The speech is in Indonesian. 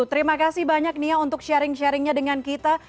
terima kasih banyak nia untuk sharing sharingnya dengan kita